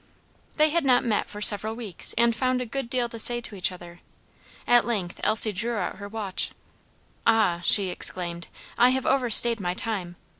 They had not met for several weeks and found a good deal to say to each other. At length Elsie drew out her watch. "Ah!" she exclaimed, "I have overstayed my time!